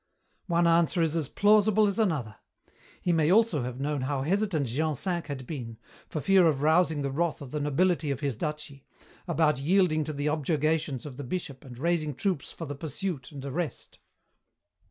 "One answer is as plausible as another. He may also have known how hesitant Jean V had been, for fear of rousing the wrath of the nobility of his duchy, about yielding to the objurgations of the Bishop and raising troops for the pursuit and arrest.